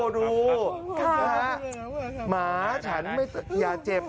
หาหมาฉันไม่อย่าเจ็บ